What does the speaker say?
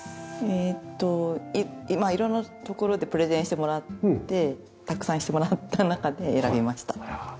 えーっと色んなところでプレゼンしてもらってたくさんしてもらった中で選びました。